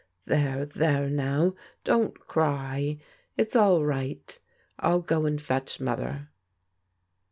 There, there now, don't cry. It's all right. I'll go and fetch Mother."